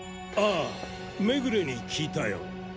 ああ目暮に聞いたよ。